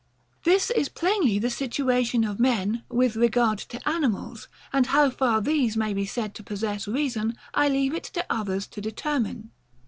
This is plainly the situation of men, with regard to animals; and how far these may be said to possess reason, I leave it to others to determine.